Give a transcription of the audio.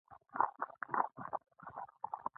د خټکي موسمي خوند بې مثاله وي.